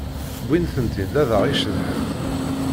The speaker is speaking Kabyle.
Wwiɣ-tent-id ad ay-iceḍḥent.